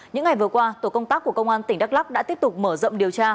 những ngày vừa qua tổ công tác của công an tỉnh đắk lắc đã tiếp tục mở rộng điều tra